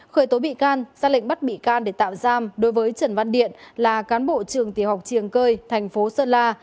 khởi tố bị can ra lệnh bắt bị can để tạm giam đối với trần văn điện là cán bộ trường tiểu học triềng cơi thành phố sơn la